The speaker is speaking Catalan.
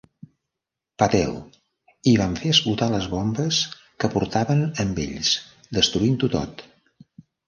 Patel, i van fer explotar les bombes que portaven amb ells, destruint-ho tot.